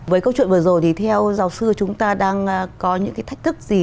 với câu chuyện vừa rồi thì theo giáo sư chúng ta đang có những cái thách thức gì